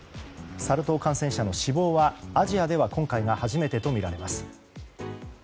サル痘感染者の死亡はアジアでは今回が初めてとみられます。